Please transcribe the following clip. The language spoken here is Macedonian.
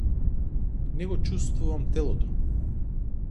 Не го чуствувам телото.